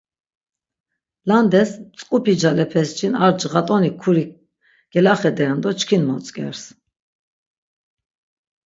Landes, mtzǩupi calepeş jin ar cğat̆oni kurik gelaxederen do çkin motzk̆ers.